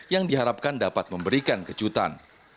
yang diharapkan dapat memberikan kejutan